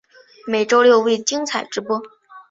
每周六为精彩重播。